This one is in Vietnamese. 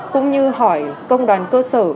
cũng như hỏi công đoàn cơ sở